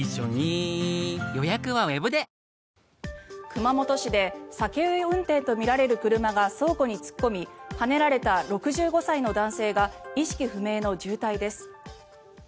熊本市で酒酔い運転とみられる車が倉庫に突っ込みはねられた６５歳の男性が意識不明の重体です。